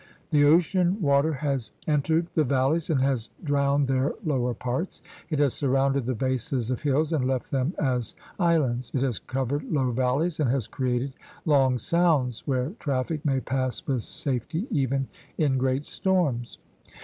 The ocean water has entered the valleys and has drowned their lower parts. It has surrounded the bases of hills and left them as is lands; it has covered low valleys and has created long sounds where traffic may pass with safety even in great storms.